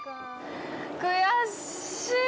悔しい。